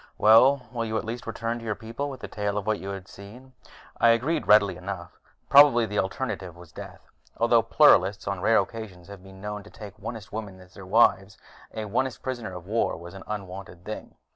Well, will you at least return to your people with a tale of what you have seen?" I agreed readily enough: probably, the alternative was death. Although Pluralists on rare occasions have been known to take Onist women as their wives, an Onist prisoner of war was an unwanted thing.